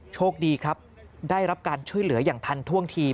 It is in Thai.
โชคดีครับได้รับการช่วยเหลืออย่างทันท่วงที